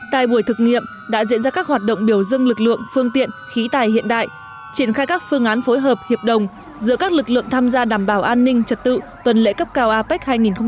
tại buổi thực nghiệm đã diễn ra các hoạt động biểu dương lực lượng phương tiện khí tài hiện đại triển khai các phương án phối hợp hiệp đồng giữa các lực lượng tham gia đảm bảo an ninh trật tự tuần lễ cấp cao apec hai nghìn hai mươi